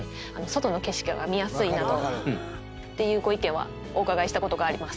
ていうご意見はお伺いしたことがあります。